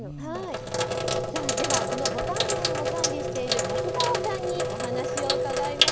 ではこのぼたん園を管理している松澤さんにお話を伺います。